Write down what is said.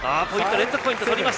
連続ポイント取りました。